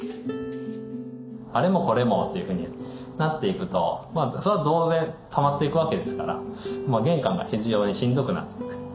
あれもこれもというふうになっていくとそれは当然たまっていくわけですからもう玄関が非常にしんどくなっていく。